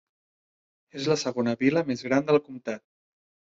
És la segona vila més gran del comtat.